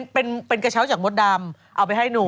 เป็นกระเช้าจากมดดำเอาไปให้หนู